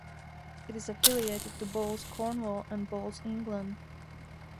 It is affiliated to Bowls Cornwall and Bowls England.